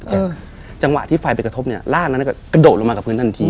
จังหวะที่ไฟไปกระทบเนี่ยร่างนั้นก็กระโดดลงมากับพื้นทันที